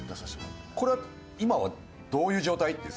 これは今はどういう状態？